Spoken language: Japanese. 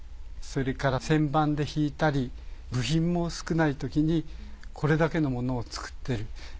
それから旋盤で引いたり部品も少ないときにこれだけのものを作ってる。